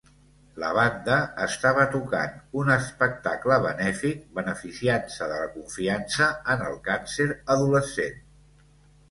La banda estava tocant un espectacle benèfic, beneficiant-se de la confiança en el càncer adolescent.